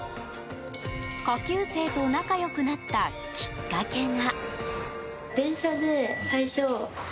下級生と仲良くなったきっかけが。